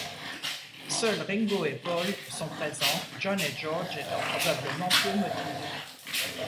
Seul Ringo et Paul sont présents, John et George étant probablement peu motivés.